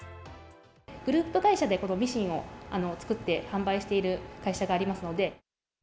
グループ会社でこのミシンを作って販売している会社がありますので。